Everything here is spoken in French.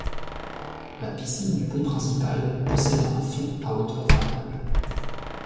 La piscine du pont principal possède un fond à hauteur variable.